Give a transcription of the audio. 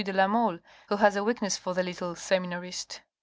de la Mole, who has a weakness for the little seminarist.